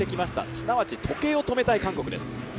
すなわち時計を止めたい韓国です。